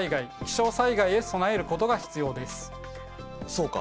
そうか！